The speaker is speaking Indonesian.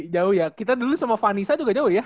jauh ya kita dulu sama vanessa juga jauh ya